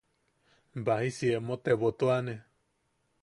Babajisi emo tebotuane.